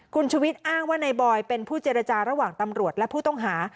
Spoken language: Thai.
คุณชุวิตอ้างว่านายบอยเป็นผู้เจรจาระหว่างตำรวจและผู้ต้องหา